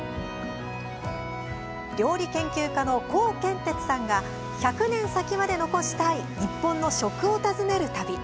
料理研究家のコウケンテツさんが１００年先まで残したい日本の食を訪ねる旅。